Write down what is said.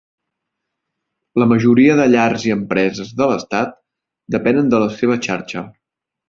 La majoria de llars i empreses de l'estat depenen de la seva xarxa.